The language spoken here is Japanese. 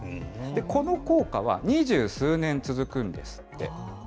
この効果は、二十数年続くんですって。